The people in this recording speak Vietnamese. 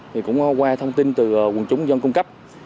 thì cũng qua thông tin từ quần chúng dân cung cấp